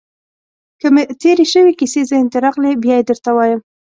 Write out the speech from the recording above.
که مې تېرې شوې کیسې ذهن ته راغلې، بیا يې درته وایم.